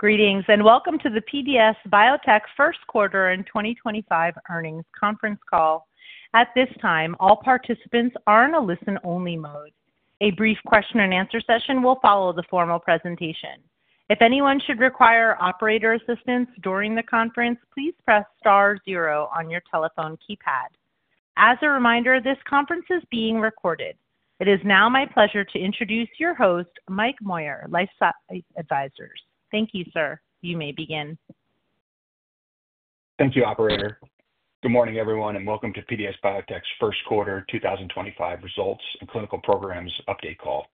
Greetings and welcome to the PDS Biotech first quarter in 2025 earnings conference call. At this time, all participants are in a listen-only mode. A brief question-and-answer session will follow the formal presentation. If anyone should require operator assistance during the conference, please press star zero on your telephone keypad. As a reminder, this conference is being recorded. It is now my pleasure to introduce your host, Mike Moyer, LifeSci Advisors. Thank you, sir. You may begin. Thank you, Operator. Good morning, everyone, and welcome to PDS Biotech's first quarter 2025 results and clinical programs update call.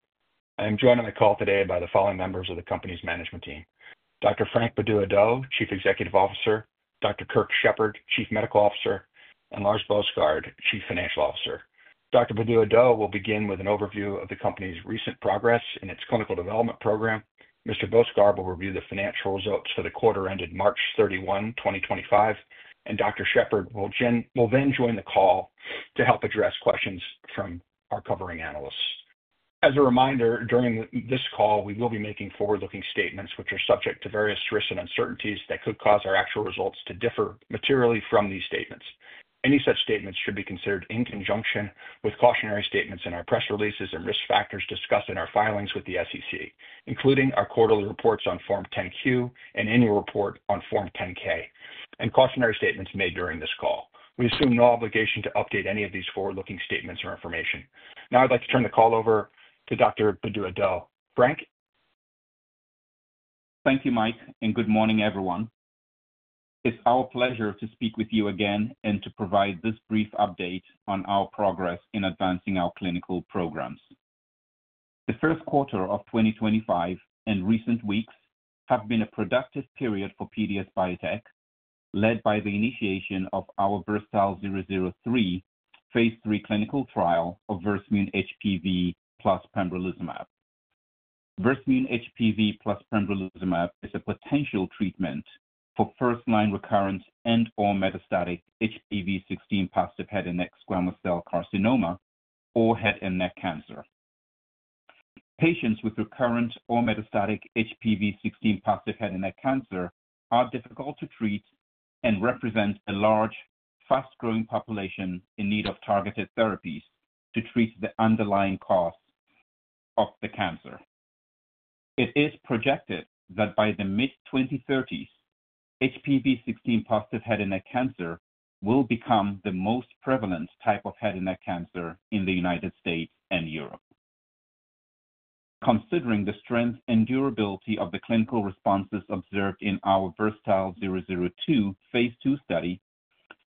I am joined on the call today by the following members of the company's management team: Dr. Frank Bedu-Addo, Chief Executive Officer; Dr. Kirk Shepard, Chief Medical Officer; and Lars Boesgaard, Chief Financial Officer. Dr. Bedu-Addo will begin with an overview of the company's recent progress in its clinical development program. Mr. Boesgaard will review the financial results for the quarter ended March 31, 2025, and Dr. Shepard will then join the call to help address questions from our covering analysts. As a reminder, during this call, we will be making forward-looking statements which are subject to various risks and uncertainties that could cause our actual results to differ materially from these statements. Any such statements should be considered in conjunction with cautionary statements in our press releases and risk factors discussed in our filings with the SEC, including our quarterly reports on Form 10-Q and annual report on Form 10-K, and cautionary statements made during this call. We assume no obligation to update any of these forward-looking statements or information. Now, I'd like to turn the call over to Dr. Bedu-Addo. Frank. Thank you, Mike, and good morning, everyone. It's our pleasure to speak with you again and to provide this brief update on our progress in advancing our clinical programs. The first quarter of 2025 and recent weeks have been a productive period for PDS Biotech, led by the initiation of our VERSATILE-003 phase 3 clinical trial of Versamune HPV plus Pembrolizumab. Versamune HPV plus Pembrolizumab is a potential treatment for first-line recurrent and/or metastatic HPV16-positive head and neck squamous cell carcinoma or head and neck cancer. Patients with recurrent or metastatic HPV16-positive head and neck cancer are difficult to treat and represent a large, fast-growing population in need of targeted therapies to treat the underlying cause of the cancer. It is projected that by the mid-2030s, HPV16-positive head and neck cancer will become the most prevalent type of head and neck cancer in the United States and Europe. Considering the strength and durability of the clinical responses observed in our VERSATILE-002 phase 2 study,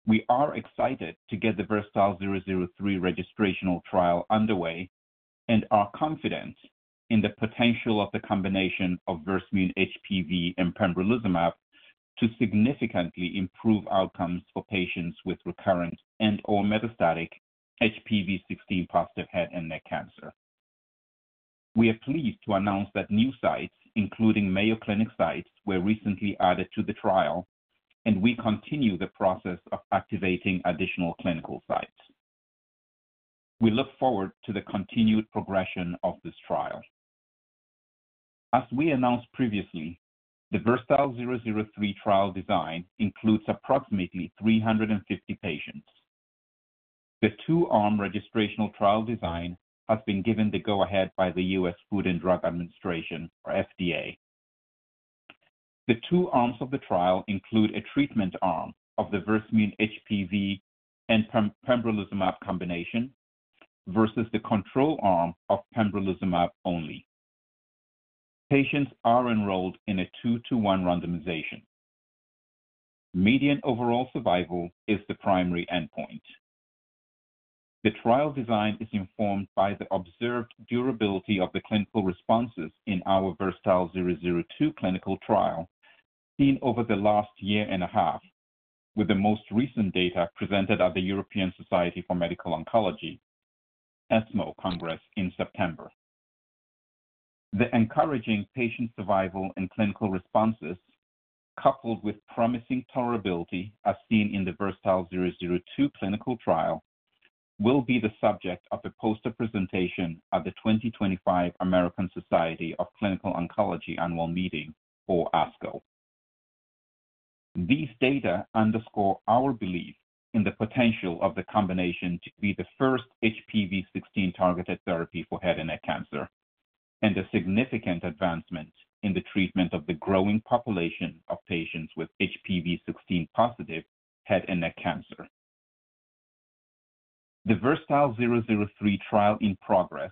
we are excited to get the VERSATILE-003 registrational trial underway and are confident in the potential of the combination of Versamune HPV and pembrolizumab to significantly improve outcomes for patients with recurrent and/or metastatic HPV16-positive head and neck cancer. We are pleased to announce that new sites, including Mayo Clinic sites, were recently added to the trial, and we continue the process of activating additional clinical sites. We look forward to the continued progression of this trial. As we announced previously, the VERSATILE-003 trial design includes approximately 350 patients. The two-arm registrational trial design has been given the go-ahead by the U.S. Food and Drug Administration, or FDA. The two arms of the trial include a treatment arm of the Versamune HPV and Pembrolizumab combination versus the control arm of Pembrolizumab only. Patients are enrolled in a two-to-one randomization. Median overall survival is the primary endpoint. The trial design is informed by the observed durability of the clinical responses in our Versal 002 clinical trial seen over the last year and a half, with the most recent data presented at the European Society for Medical Oncology ESMO Congress in September. The encouraging patient survival and clinical responses, coupled with promising tolerability as seen in the Versal 002 clinical trial, will be the subject of a poster presentation at the 2025 American Society of Clinical Oncology Annual Meeting, or ASCO. These data underscore our belief in the potential of the combination to be the first HPV16 targeted therapy for head and neck cancer and a significant advancement in the treatment of the growing population of patients with HPV16 positive head and neck cancer. The VERSATILE-003 trial in progress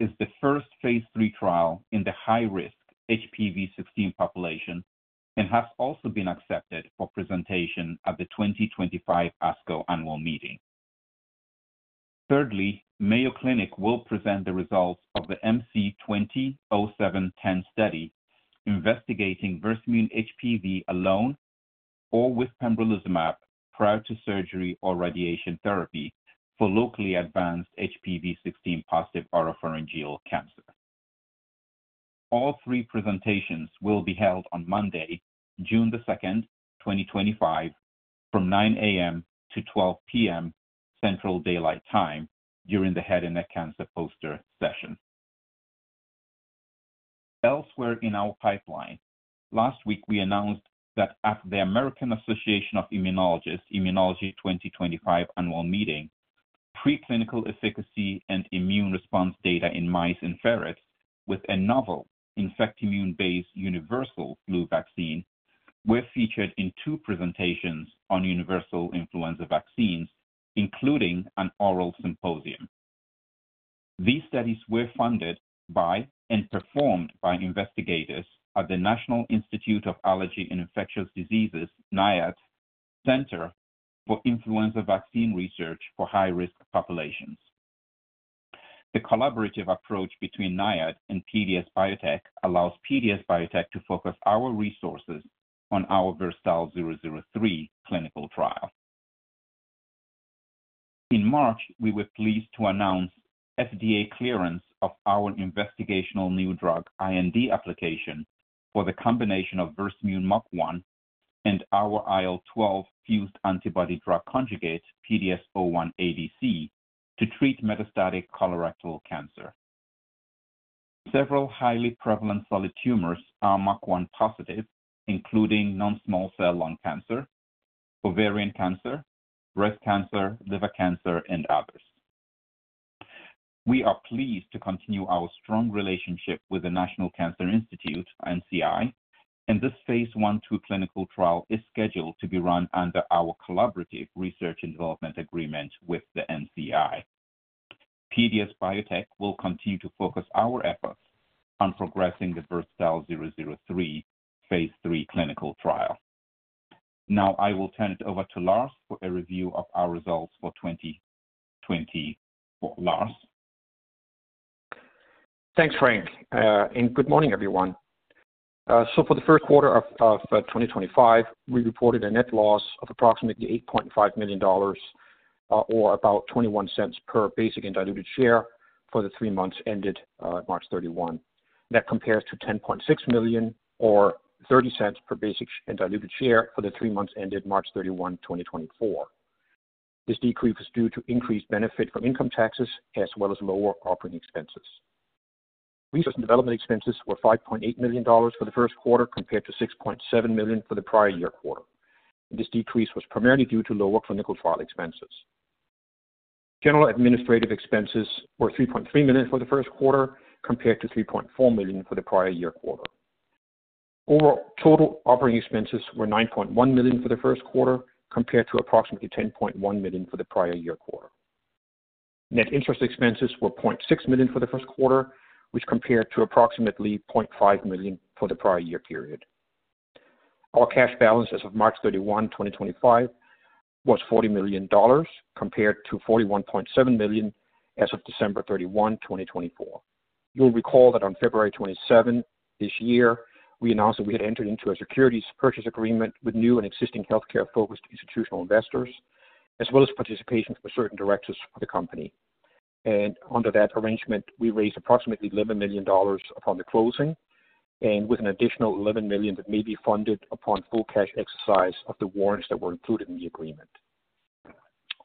is the first phase 3 trial in the high-risk HPV16 population and has also been accepted for presentation at the 2025 ASCO Annual Meeting. Thirdly, Mayo Clinic will present the results of the MC-200710 study investigating Versamune HPV alone or with pembrolizumab prior to surgery or radiation therapy for locally advanced HPV16 positive oropharyngeal cancer. All three presentations will be held on Monday, June 2, 2025, from 9:00 AM to 12:00 PM Central Daylight Time during the head and neck cancer poster session. Elsewhere in our pipeline, last week we announced that at the American Association of Immunologists' Immunology 2025 Annual Meeting, preclinical efficacy and immune response data in mice and ferrets with a novel infecti-immune-based universal flu vaccine were featured in two presentations on universal influenza vaccines, including an oral symposium. These studies were funded by and performed by investigators at the National Institute of Allergy and Infectious Diseases, NIAID, Center for Influenza Vaccine Research for High-Risk Populations. The collaborative approach between NIAID and PDS Biotech allows PDS Biotech to focus our resources on our VERSATILE-003 clinical trial. In March, we were pleased to announce FDA clearance of our investigational new drug IND application for the combination of Versamune MUC1 and our IL-12 fused antibody drug conjugate, PDS01ADC, to treat metastatic colorectal cancer. Several highly prevalent solid tumors are MUC1 positive, including non-small cell lung cancer, ovarian cancer, breast cancer, liver cancer, and others. We are pleased to continue our strong relationship with the National Cancer Institute, NCI, and this phase 1-2 clinical trial is scheduled to be run under our collaborative research and development agreement with the NCI. PDS Biotech will continue to focus our efforts on progressing the VERSATILE-003 phase 3 clinical trial. Now, I will turn it over to Lars for a review of our results for 2025. Lars? Thanks, Frank. Good morning, everyone. For the first quarter of 2025, we reported a net loss of approximately $8.5 million, or about $0.21 per basic and diluted share for the three months ended March 31. That compares to $10.6 million, or $0.30 per basic and diluted share for the three months ended March 31, 2024. This decrease was due to increased benefit from income taxes as well as lower operating expenses. Research and development expenses were $5.8 million for the first quarter compared to $6.7 million for the prior year quarter. This decrease was primarily due to lower clinical trial expenses. General administrative expenses were $3.3 million for the first quarter compared to $3.4 million for the prior year quarter. Overall total operating expenses were $9.1 million for the first quarter compared to approximately $10.1 million for the prior year quarter. Net interest expenses were $0.6 million for the first quarter, which compared to approximately $0.5 million for the prior year period. Our cash balance as of March 31, 2025, was $40 million compared to $41.7 million as of December 31, 2024. You'll recall that on February 27 this year, we announced that we had entered into a securities purchase agreement with new and existing healthcare-focused institutional investors, as well as participation from certain directors for the company. Under that arrangement, we raised approximately $11 million upon the closing, with an additional $11 million that may be funded upon full cash exercise of the warrants that were included in the agreement.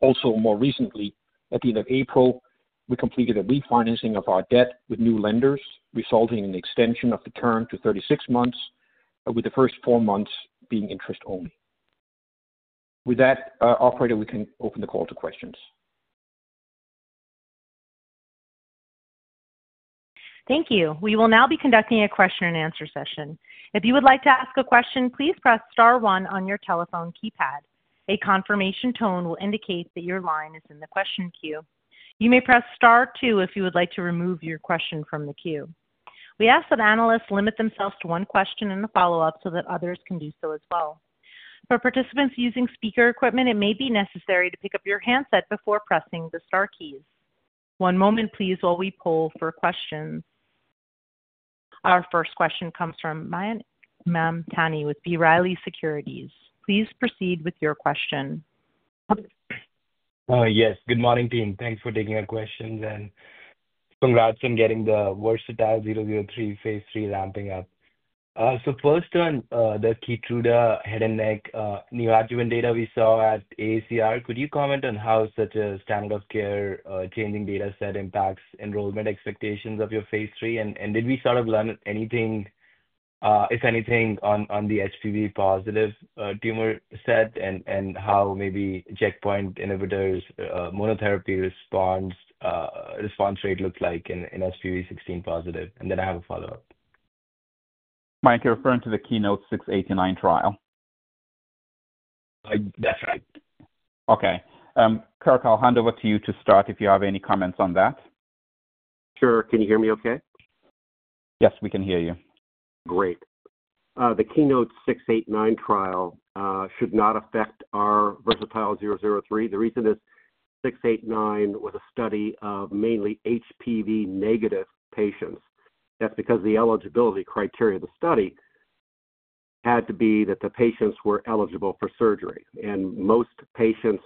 Also, more recently, at the end of April, we completed a refinancing of our debt with new lenders, resulting in the extension of the term to 36 months, with the first four months being interest-only. With that, Operator, we can open the call to questions. Thank you. We will now be conducting a question-and-answer session. If you would like to ask a question, please press star one on your telephone keypad. A confirmation tone will indicate that your line is in the question queue. You may press star two if you would like to remove your question from the queue. We ask that analysts limit themselves to one question and a follow-up so that others can do so as well. For participants using speaker equipment, it may be necessary to pick up your handset before pressing the star keys. One moment, please, while we poll for questions. Our first question comes from Mam Tani with B. Riley Securities. Please proceed with your question. Yes. Good morning, team. Thanks for taking our questions, and congrats on getting the VERSATILE-003 phase 3 ramping up. First, on the Keytruda head and neck neoadjuvant data we saw at AACR, could you comment on how such a standard of care changing data set impacts enrollment expectations of your phase 3? Did we sort of learn anything, if anything, on the HPV-positive tumor set and how maybe checkpoint inhibitors' monotherapy response rate looks like in HPV16-positive? I have a follow-up. Mayank, you're referring to the KEYNOTE-689 trial? That's right. Okay. Kirk, I'll hand over to you to start if you have any comments on that. Sure. Can you hear me okay? Yes, we can hear you. Great. The KEYNOTE-689 trial should not affect our VERSATILE-003. The reason is 689 was a study of mainly HPV-negative patients. That's because the eligibility criteria of the study had to be that the patients were eligible for surgery. Most patients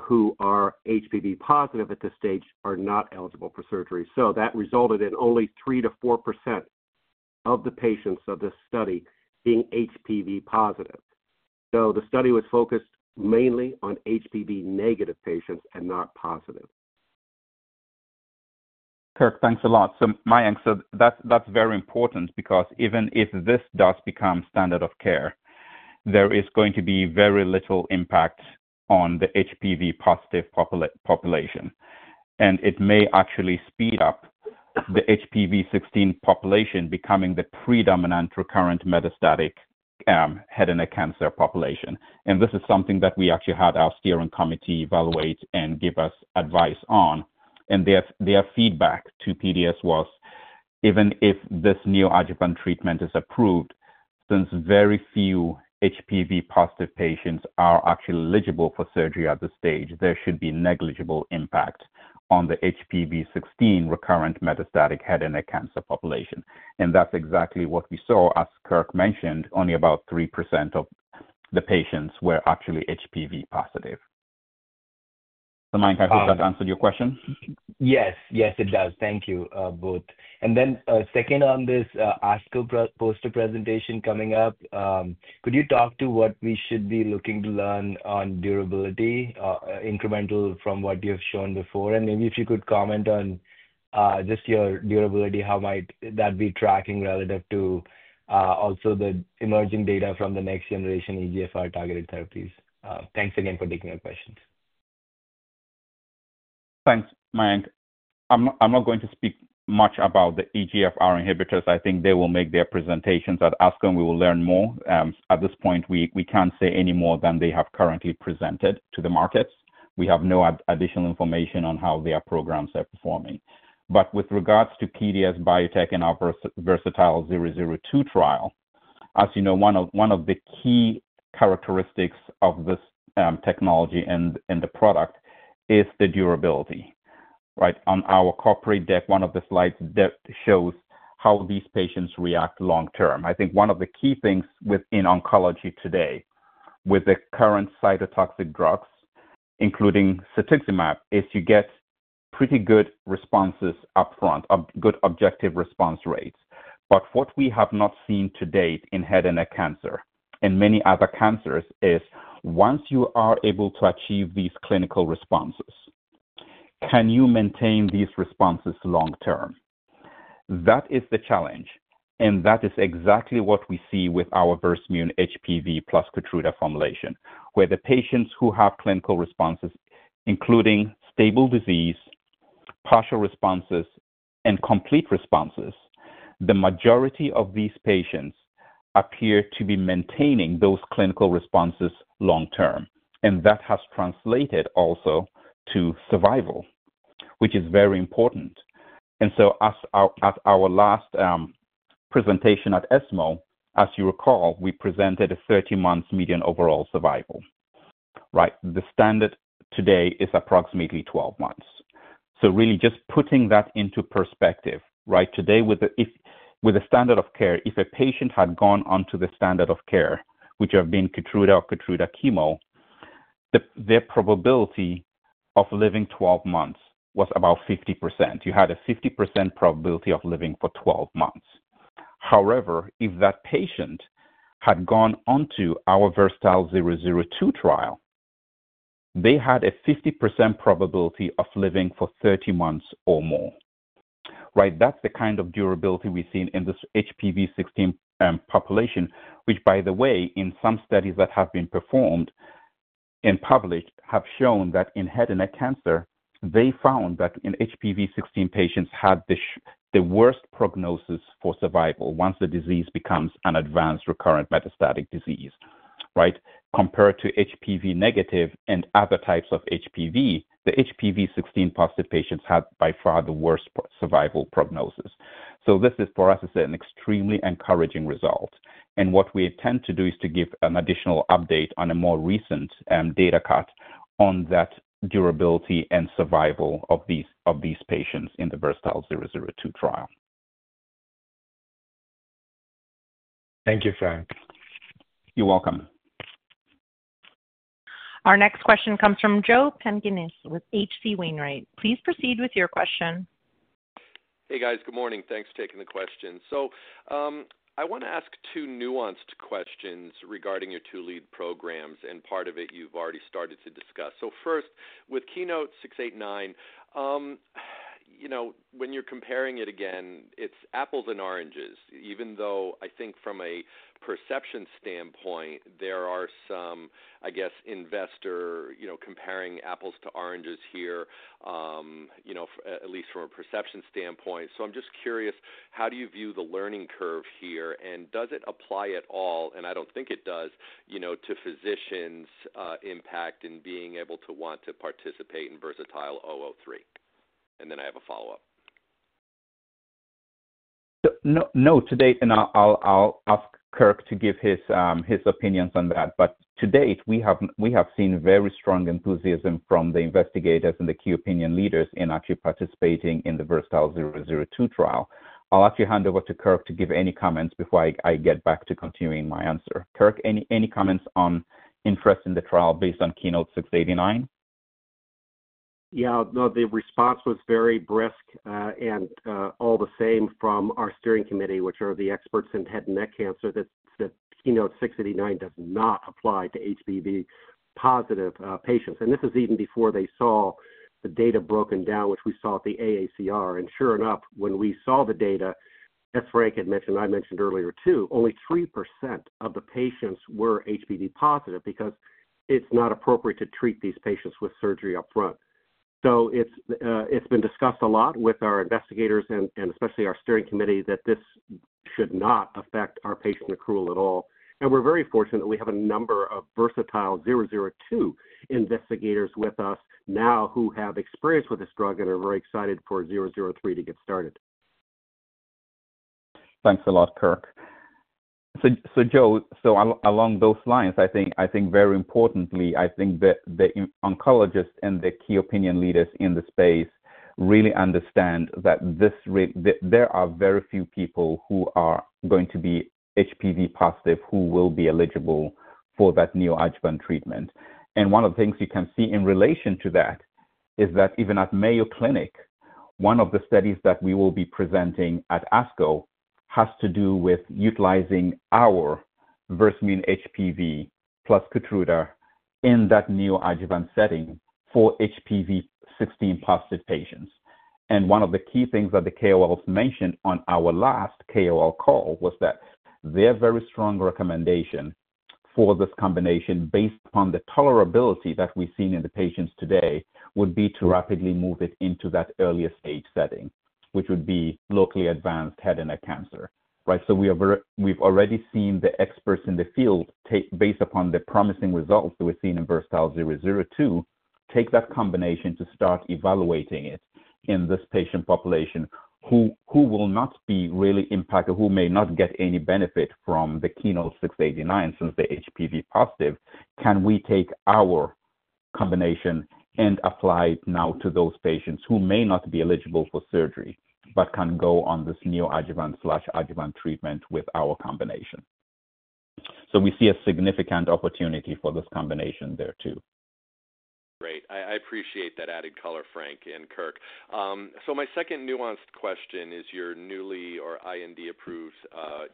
who are HPV positive at this stage are not eligible for surgery. That resulted in only 3%-4% of the patients of this study being HPV positive. The study was focused mainly on HPV-negative patients and not positive. Kirk, thanks a lot. Mike, that is very important because even if this does become standard of care, there is going to be very little impact on the HPV positive population. It may actually speed up the HPV16 population becoming the predominant recurrent/metastatic head and neck cancer population. This is something that we actually had our steering committee evaluate and give us advice on. Their feedback to PDS was, even if this new adjuvant treatment is approved, since very few HPV positive patients are actually eligible for surgery at this stage, there should be negligible impact on the HPV16 recurrent/metastatic head and neck cancer population. That is exactly what we saw, as Kirk mentioned, only about 3% of the patients were actually HPV positive. Mike, I hope that answered your question. Yes. Yes, it does. Thank you, Booth. Then second on this ASCO poster presentation coming up, could you talk to what we should be looking to learn on durability, incremental from what you've shown before? Maybe if you could comment on just your durability, how might that be tracking relative to also the emerging data from the next generation eGFR targeted therapies? Thanks again for taking our questions. Thanks, Mayank. I'm not going to speak much about the EGFR inhibitors. I think they will make their presentations at ASCO, and we will learn more. At this point, we can't say any more than they have currently presented to the markets. We have no additional information on how their programs are performing. With regards to PDS Biotech and our VERSATILE-002 trial, as you know, one of the key characteristics of this technology and the product is the durability. On our corporate deck, one of the slides shows how these patients react long-term. I think one of the key things within oncology today with the current cytotoxic drugs, including cetuximab, is you get pretty good responses upfront, good objective response rates. What we have not seen to date in head and neck cancer and many other cancers is once you are able to achieve these clinical responses, can you maintain these responses long-term? That is the challenge. That is exactly what we see with our Versamune HPV plus Keytruda formulation, where the patients who have clinical responses, including stable disease, partial responses, and complete responses, the majority of these patients appear to be maintaining those clinical responses long-term. That has translated also to survival, which is very important. At our last presentation at ESMO, as you recall, we presented a 30-month median overall survival. The standard today is approximately 12 months. Really just putting that into perspective, today with a standard of care, if a patient had gone on to the standard of care, which would have been Keytruda or Keytruda chemo, their probability of living 12 months was about 50%. You had a 50% probability of living for 12 months. However, if that patient had gone on to our VERSATILE-002 trial, they had a 50% probability of living for 30 months or more. That's the kind of durability we've seen in this HPV16 population, which, by the way, in some studies that have been performed and published have shown that in head and neck cancer, they found that in HPV16 patients had the worst prognosis for survival once the disease becomes an advanced recurrent metastatic disease. Compared to HPV negative and other types of HPV, the HPV16-positive patients had by far the worst survival prognosis. This is, for us, an extremely encouraging result. What we intend to do is to give an additional update on a more recent data cut on that durability and survival of these patients in the VERSATILE-002 trial. Thank you, Frank. You're welcome. Our next question comes from Joseph Pantginis with H.C. Wainwright. Please proceed with your question. Hey, guys. Good morning. Thanks for taking the question. I want to ask two nuanced questions regarding your two lead programs, and part of it you've already started to discuss. First, with KEYNOTE-689, when you're comparing it again, it's apples and oranges, even though I think from a perception standpoint, there are some, I guess, investors comparing apples to oranges here, at least from a perception standpoint. I'm just curious, how do you view the learning curve here, and does it apply at all, and I don't think it does, to physicians' impact in being able to want to participate in VERSATILE-003? I have a follow-up. No to date, and I'll ask Kirk to give his opinions on that. To date, we have seen very strong enthusiasm from the investigators and the key opinion leaders in actually participating in the VERSATILE-002 trial. I'll actually hand over to Kirk to give any comments before I get back to continuing my answer. Kirk, any comments on interest in the trial based on KEYNOTE-689? Yeah. No, the response was very brisk and all the same from our steering committee, which are the experts in head and neck cancer, that KEYNOTE-689 does not apply to HPV positive patients. This is even before they saw the data broken down, which we saw at the AACR. Sure enough, when we saw the data, as Frank had mentioned, I mentioned earlier too, only 3% of the patients were HPV positive because it is not appropriate to treat these patients with surgery upfront. It has been discussed a lot with our investigators, and especially our steering committee, that this should not affect our patient accrual at all. We are very fortunate that we have a number of VERSATILE-002 investigators with us now who have experience with this drug and are very excited for 003 to get started. Thanks a lot, Kirk. Joe, along those lines, I think very importantly, I think that the oncologists and the key opinion leaders in the space really understand that there are very few people who are going to be HPV positive who will be eligible for that new adjuvant treatment. One of the things you can see in relation to that is that even at Mayo Clinic, one of the studies that we will be presenting at ASCO has to do with utilizing our Versamune HPV plus Keytruda in that new adjuvant setting for HPV16-positive patients. One of the key things that the KOLs mentioned on our last KOL call was that their very strong recommendation for this combination based upon the tolerability that we've seen in the patients today would be to rapidly move it into that earlier stage setting, which would be locally advanced head and neck cancer. We have already seen the experts in the field, based upon the promising results that we've seen in VERSATILE-002, take that combination to start evaluating it in this patient population who will not be really impacted, who may not get any benefit from the KEYNOTE-689 since they're HPV positive. Can we take our combination and apply it now to those patients who may not be eligible for surgery but can go on this new adjuvant/adjuvant treatment with our combination? We see a significant opportunity for this combination there too. Great. I appreciate that added color, Frank and Kirk. My second nuanced question is your newly or IND-approved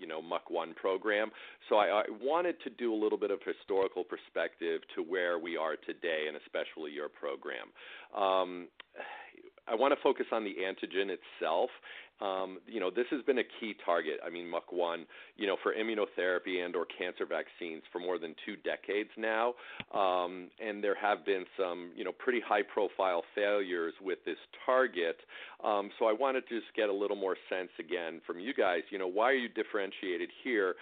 MUC1 program. I wanted to do a little bit of historical perspective to where we are today and especially your program. I want to focus on the antigen itself. This has been a key target, I mean, MUC1 for immunotherapy and/or cancer vaccines for more than two decades now. There have been some pretty high-profile failures with this target. I wanted to just get a little more sense again from you guys. Why are you differentiated here?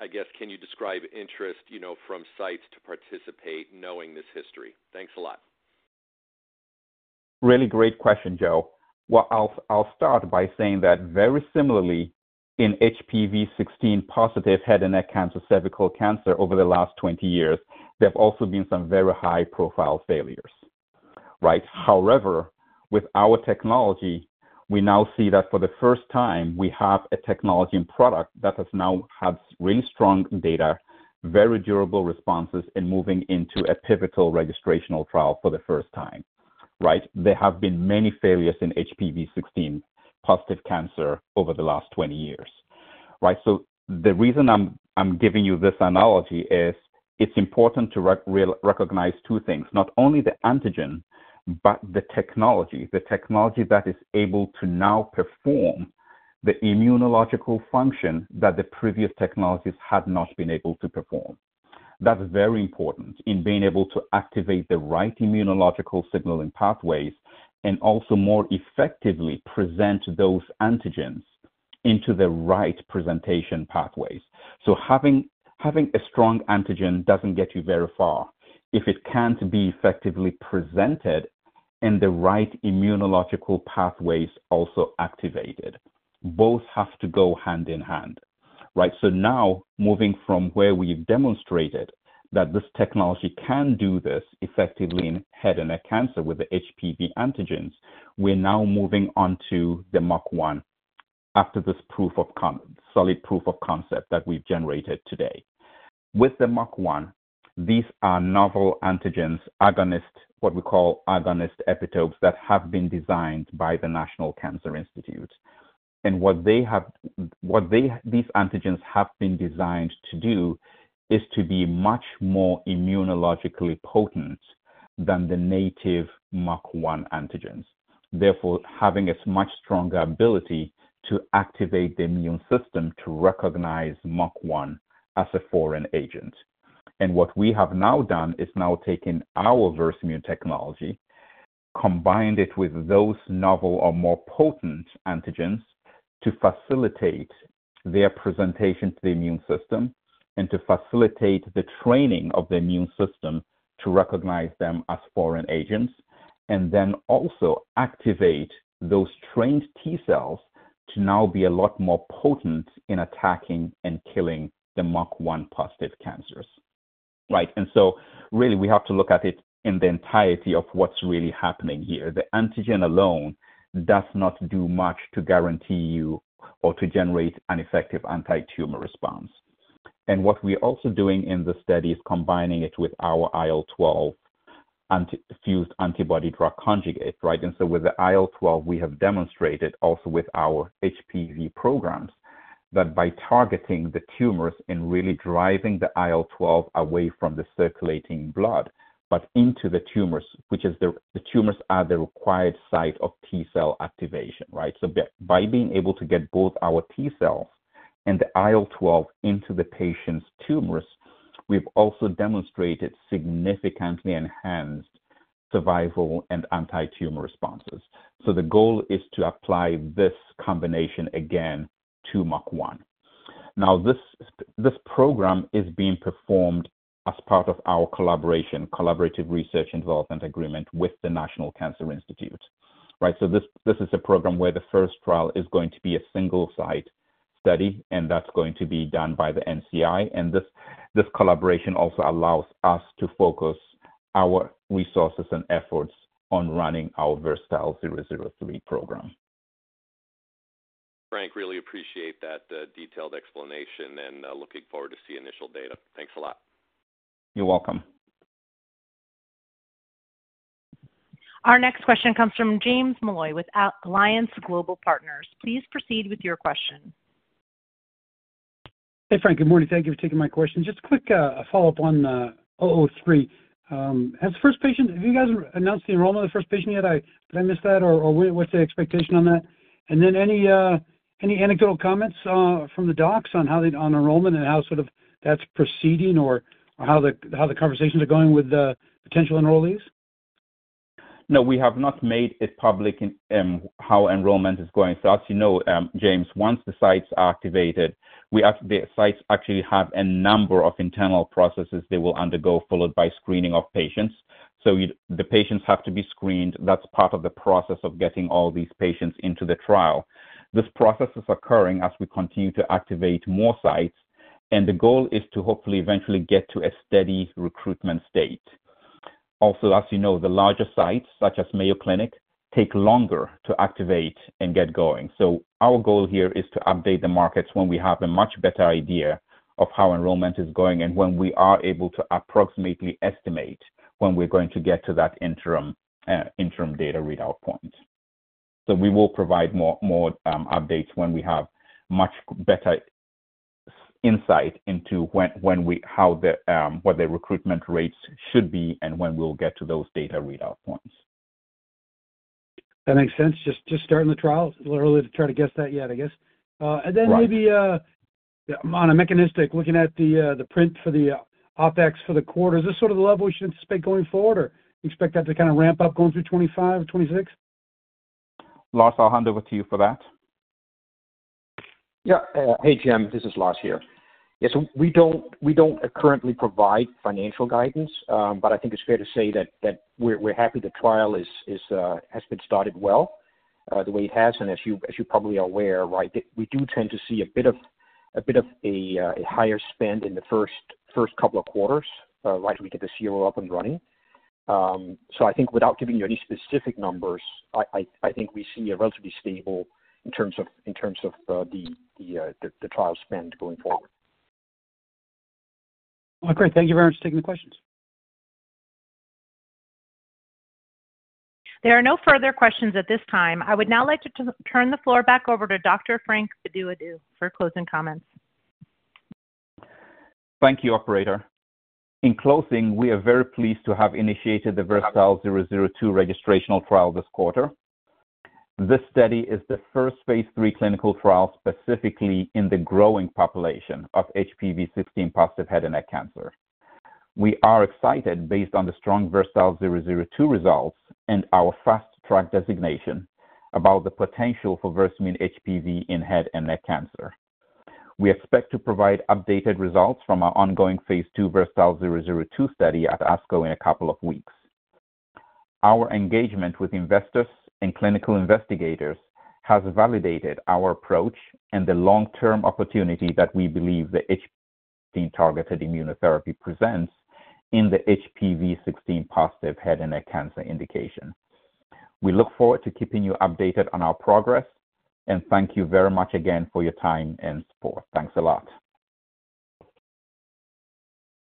I guess, can you describe interest from sites to participate knowing this history? Thanks a lot. Really great question, Joe. I'll start by saying that very similarly in HPV16-positive head and neck cancer, cervical cancer, over the last 20 years, there have also been some very high-profile failures. However, with our technology, we now see that for the first time, we have a technology and product that has now had really strong data, very durable responses, and moving into a pivotal registrational trial for the first time. There have been many failures in HPV16-positive cancer over the last 20 years. The reason I'm giving you this analogy is it's important to recognize two things, not only the antigen, but the technology, the technology that is able to now perform the immunological function that the previous technologies had not been able to perform. That's very important in being able to activate the right immunological signaling pathways and also more effectively present those antigens into the right presentation pathways. Having a strong antigen doesn't get you very far if it can't be effectively presented and the right immunological pathways also activated. Both have to go hand in hand. Now, moving from where we've demonstrated that this technology can do this effectively in head and neck cancer with the HPV antigens, we're now moving on to the MUC1 after this solid proof of concept that we've generated today. With the MUC1, these are novel antigens, what we call agonist epitopes that have been designed by the National Cancer Institute. What these antigens have been designed to do is to be much more immunologically potent than the native MUC1 antigens, therefore having a much stronger ability to activate the immune system to recognize MUC1 as a foreign agent. What we have now done is taken our Versamune technology, combined it with those novel or more potent antigens to facilitate their presentation to the immune system and to facilitate the training of the immune system to recognize them as foreign agents, and then also activate those trained T cells to now be a lot more potent in attacking and killing the MUC1-positive cancers. We have to look at it in the entirety of what is really happening here. The antigen alone does not do much to guarantee you or to generate an effective anti-tumor response. What we're also doing in the study is combining it with our IL-12 fused antibody drug conjugate. With the IL-12, we have demonstrated also with our HPV programs that by targeting the tumors and really driving the IL-12 away from the circulating blood but into the tumors, which is the required site of T cell activation, by being able to get both our T cells and the IL-12 into the patient's tumors, we've also demonstrated significantly enhanced survival and anti-tumor responses. The goal is to apply this combination again to MUC1. This program is being performed as part of our collaborative research and development agreement with the National Cancer Institute. This is a program where the first trial is going to be a single-site study, and that's going to be done by the NCI. This collaboration also allows us to focus our resources and efforts on running our VERSATILE-003 program. Frank, really appreciate that detailed explanation and looking forward to seeing initial data. Thanks a lot. You're welcome. Our next question comes from James Molloy with Alliance Global Partners. Please proceed with your question. Hey, Frank. Good morning. Thank you for taking my question. Just a quick follow-up on 003. As the first patient, have you guys announced the enrollment of the first patient yet? Did I miss that, or what is the expectation on that? Any anecdotal comments from the docs on enrollment and how sort of that is proceeding or how the conversations are going with the potential enrollees? No, we have not made it public how enrollment is going. As you know, James, once the sites are activated, the sites actually have a number of internal processes they will undergo followed by screening of patients. The patients have to be screened. That is part of the process of getting all these patients into the trial. This process is occurring as we continue to activate more sites, and the goal is to hopefully eventually get to a steady recruitment state. Also, as you know, the larger sites, such as Mayo Clinic, take longer to activate and get going. Our goal here is to update the markets when we have a much better idea of how enrollment is going and when we are able to approximately estimate when we are going to get to that interim data readout point. We will provide more updates when we have much better insight into how the recruitment rates should be and when we'll get to those data readout points. That makes sense. Just starting the trial, literally to try to guess that yet, I guess. Maybe on a mechanistic, looking at the print for the OpEx for the quarter, is this sort of the level we should anticipate going forward, or expect that to kind of ramp up going through 2025 or 2026? Lars, I'll hand over to you for that. Yeah. Hey, James, this is Lars here. Yeah, we do not currently provide financial guidance, but I think it is fair to say that we are happy the trial has been started well the way it has. As you probably are aware, we do tend to see a bit of a higher spend in the first couple of quarters as we get this year up and running. I think without giving you any specific numbers, we see a relatively stable in terms of the trial spend going forward. Great. Thank you very much for taking the questions. There are no further questions at this time. I would now like to turn the floor back over to Dr. Frank Bedu-Addo for closing comments. Thank you, Operator. In closing, we are very pleased to have initiated the VERSATILE-002 registrational trial this quarter. This study is the first phase 3 clinical trial specifically in the growing population of HPV16-positive head and neck cancer. We are excited based on the strong VERSATILE-002 results and our Fast Track designation about the potential for Versamune HPV in head and neck cancer. We expect to provide updated results from our ongoing phase 2 VERSATILE-002 study at ASCO in a couple of weeks. Our engagement with investors and clinical investigators has validated our approach and the long-term opportunity that we believe the HPV16-targeted immunotherapy presents in the HPV16-positive head and neck cancer indication. We look forward to keeping you updated on our progress, and thank you very much again for your time and support. Thanks a lot.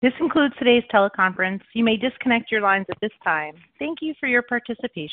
This concludes today's teleconference. You may disconnect your lines at this time. Thank you for your participation.